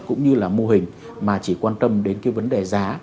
cũng như là mô hình mà chỉ quan tâm đến cái vấn đề giá